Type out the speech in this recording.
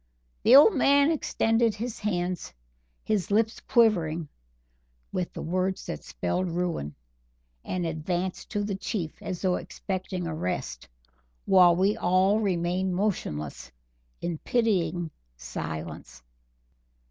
The old man extended his hands, his lips quivering with the words that spelled ruin, and advanced to the Chief, as though expecting arrest, while we all remained motionless, in pitying silence.